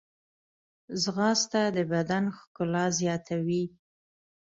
ځغاسته د بدن ښکلا زیاتوي